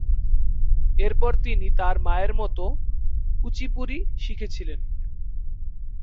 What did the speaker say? এরপর তিনি তাঁর মায়ের মতো কুচিপুড়ি শিখেছিলেন।